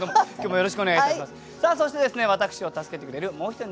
よろしくお願いします。